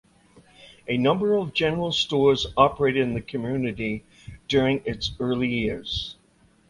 A number of general stores operated in the community during its early years.